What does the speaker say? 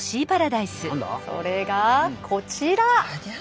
それがこちら。